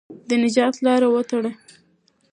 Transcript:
د نجات لاره وتړه.